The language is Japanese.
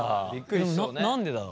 何でだろう。